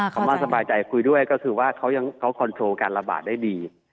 คำว่าสบายใจคุยด้วยก็คือว่าเขาคอนโทรลการระบาดได้ดี